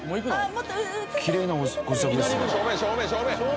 きれいなご自宅ですね